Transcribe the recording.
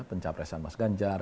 pencapresan mas ganjar